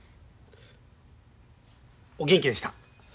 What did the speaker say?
お元気でした。